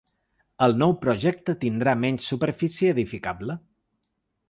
El nou projecte tindrà menys superfície edificable.